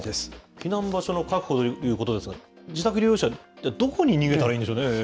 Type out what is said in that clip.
避難場所の確保ということですが、自宅療養者って、どこに逃げたらいいんでしょうね。